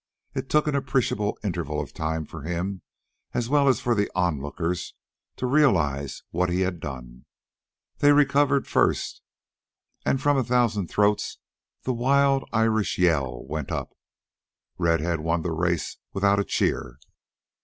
It took an appreciable interval of time for him, as well as for the onlookers, to realize what he had done. They recovered first, and from a thousand throats the wild Irish yell went up. Red head won the race without a cheer.